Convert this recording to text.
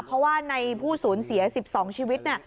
เพราะว่าในผู้สูญเสีย๑๒ชีวิต